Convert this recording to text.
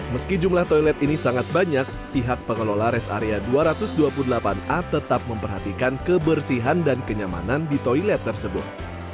meski jumlah toilet ini sangat banyak pihak pengelola res area dua ratus dua puluh delapan a tetap memperhatikan kebersihan dan kenyamanan di toilet tersebut